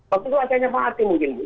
waktu itu akhirnya mati mungkin bu